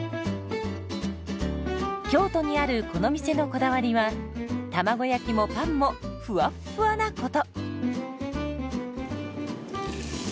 京都にあるこの店のこだわりは卵焼きもパンもふわっふわなこと。